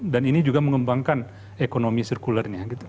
dan ini juga mengembangkan ekonomi sirkulernya